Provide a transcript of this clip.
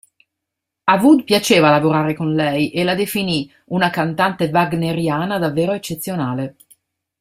A Wood piaceva lavorare con lei e la definì "una cantante wagneriana davvero eccezionale".